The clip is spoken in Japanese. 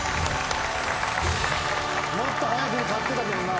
もっと早くに勝ってたけどな。